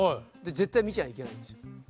絶対見ちゃいけないんですよ。